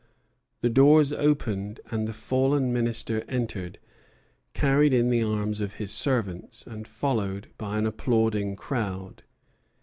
The doors opened, and the fallen Minister entered, carried in the arms of his servants, and followed by an applauding crowd.